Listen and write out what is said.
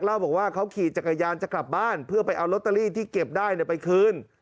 เล่าบอกว่าเขาขี่จักรยานจะกลับบ้านเพื่อไปเอาลอตเตอรี่ที่เก็บได้ไปคืน